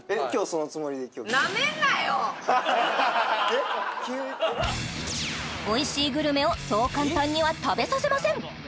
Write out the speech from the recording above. そのつもりでえっ急においしいグルメをそう簡単には食べさせません